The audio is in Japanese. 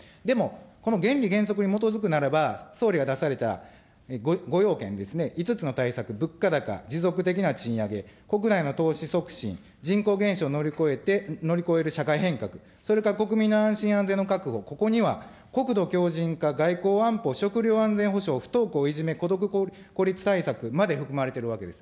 でも、この原理原則に基づくならば、総理が出された、５要件ですね、５つの対策、物価高、持続的な賃上げ、国内の投資促進、人口減少を乗り越える社会変革、それから国民の安心・安全の確保、ここには国土強じん化、外交・安保、食料安全保障、不登校、いじめ、孤独・孤立対策まで含まれているわけです。